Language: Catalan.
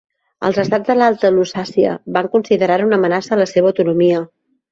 Els estats de l'Alta Lusàcia van considerar-ho una amenaça a la seva autonomia.